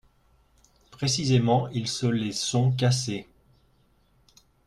Précisément, ils se les sont cassées